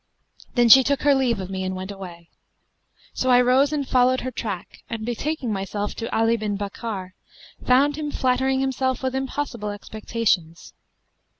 Then she took her leave of me and went away: so I rose and followed her track and, betaking myself to Ali bin Bakkar, found him flattering himself with impossible expectations.